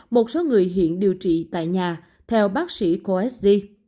một số người hiện điều trị tại nhà theo bác sĩ cosg